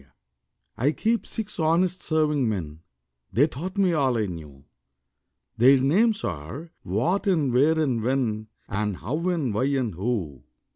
_ I keep six honest serving men (They taught me all I knew); Their names are What and Why and When And How and Where and Who.